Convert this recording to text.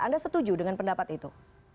anda setuju dengan pendapat itu